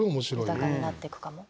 豊かになってくかも。